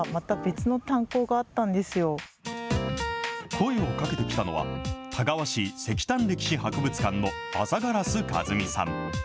声をかけてきたのは、田川市石炭歴史博物館の朝烏和美さん。